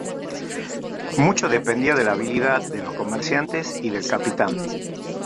Mucho dependía de la habilidad de los comerciantes y del capitán.